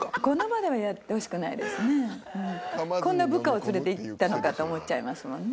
こんな部下を連れていったのかと思っちゃいますもんね。